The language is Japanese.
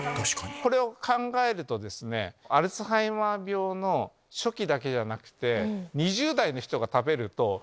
これを考えるとアルツハイマー病の初期だけじゃなくて。